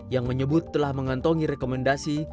yang menyebut telah mengantongi rekomendasi